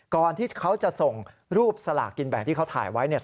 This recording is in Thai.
ก่อนที่เขาจะส่งรูปสลากกินแบ่งที่เขาถ่ายไว้เนี่ย